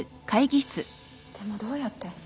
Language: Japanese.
でもどうやって？